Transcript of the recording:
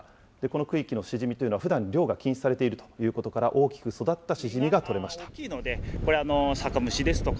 この区域のシジミというのは、ふだん漁が禁止されているということから、大きく育ったシジミが取れました。